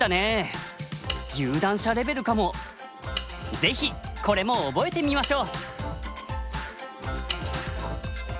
ぜひこれも覚えてみましょう。